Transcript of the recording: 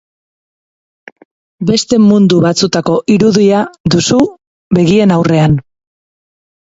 Beste mundu batzutako irudia duzu begien aurrean.